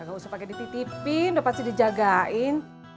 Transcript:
gak usah pakai dititipin udah pasti dijagain